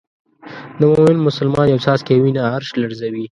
د مومن مسلمان یو څاڅکی وینه عرش لړزوي.